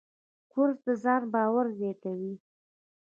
کورس د ځان باور زیاتوي.